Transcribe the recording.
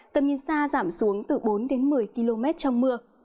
tầm nhìn xa giảm xuống từ bốn đến một mươi km trong mưa